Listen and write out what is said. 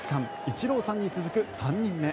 イチローさんに続く３人目。